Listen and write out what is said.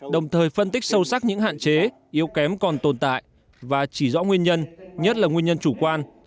đồng thời phân tích sâu sắc những hạn chế yếu kém còn tồn tại và chỉ rõ nguyên nhân nhất là nguyên nhân chủ quan